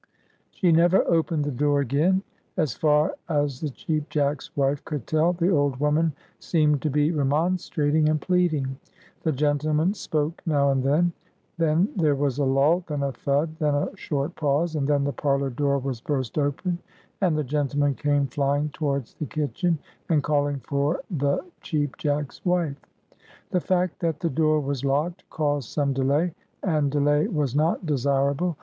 She never opened the door again. As far as the Cheap Jack's wife could tell, the old woman seemed to be remonstrating and pleading; the gentleman spoke now and then. Then there was a lull, then a thud, then a short pause, and then the parlor door was burst open, and the gentleman came flying towards the kitchen, and calling for the Cheap Jack's wife. The fact that the door was locked caused some delay, and delay was not desirable.